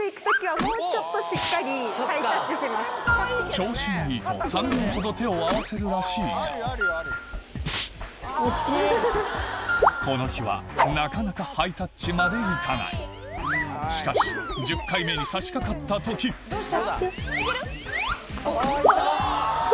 調子がいいと３秒ほど手を合わせるらしいがこの日はなかなかハイタッチまで行かないしかし１０回目に差しかかった時どう？